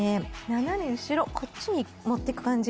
斜め後ろこっちに持ってく感じ